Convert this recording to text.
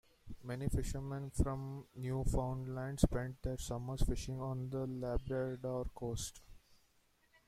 Many fisherman from Newfoundland spent their summers fishing on the Labrador coast.